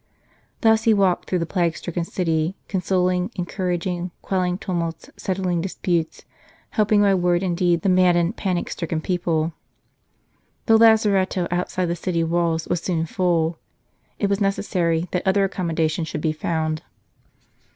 Thus he walked through the plague stricken city, consoling, encouraging, quell ing tumults, settling disputes, helping by word and deed the maddened, panic stricken people. The lazaretto outside the city walls was soon full. It was necessary that other accommodation should be found.